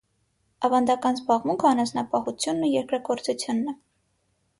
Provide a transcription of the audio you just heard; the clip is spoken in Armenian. Ավանդական զբաղմունքը անասնապահությունն ու երկրագործությունն է։